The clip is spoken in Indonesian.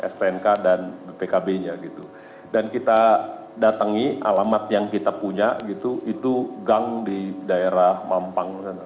stnk dan pkb nya gitu dan kita datangi alamat yang kita punya gitu itu gang di daerah mampang